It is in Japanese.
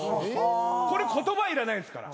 これ言葉いらないですから。